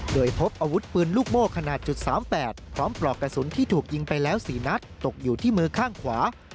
โดยพบอาวุธปืนลูกโม่ขนาด๓๘พร้อมปลอกกระสุนที่ถูกยิงไปแล้ว๔นัดตกอยู่ที่มือข้างขวา